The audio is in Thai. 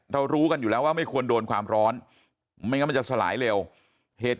รู้กันอยู่แล้วว่าไม่ควรโดนความร้อนไม่งั้นมันจะสลายเร็วเหตุ